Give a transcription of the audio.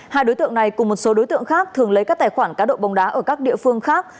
hai đối tượng này cùng một số đối tượng khác thường lấy các tài khoản cá độ bóng đá ở các địa phương khác